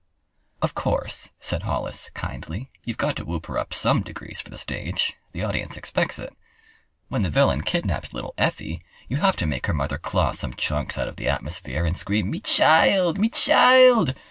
"Of course," said Hollis, kindly, "you've got to whoop her up some degrees for the stage. The audience expects it. When the villain kidnaps little Effie you have to make her mother claw some chunks out of the atmosphere, and scream: "Me chee ild, me chee ild!"